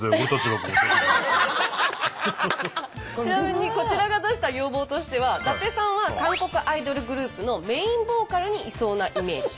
ちなみにこちらが出した要望としては伊達さんは韓国アイドルグループのメインボーカルにいそうなイメージ。